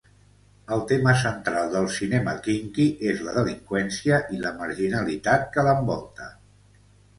El tema central del cinema quinqui és la delinqüència i la marginalitat que l'envolta.